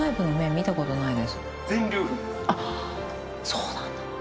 あっそうなんだ！